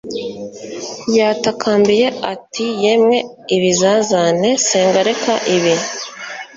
yatakambiye ati yemwe ibizazane, senga reka ibi